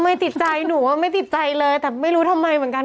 ไม่ติดใจหนูว่าไม่ติดใจเลยแต่ไม่รู้ทำไมเหมือนกัน